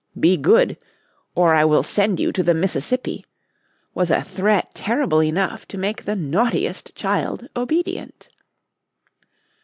"Be good or I will send you to the Mississippi" was a threat terrible enough to make the naughtiest child obedient.